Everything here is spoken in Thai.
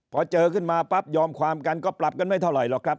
พอเจอขึ้นมาปั๊บยอมความกันก็ปรับกันไม่เท่าไหร่หรอกครับ